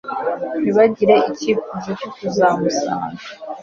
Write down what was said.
ntibagire icyifuzo cyo kuzamusanga